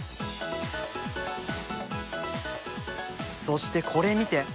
そしてこれ見て！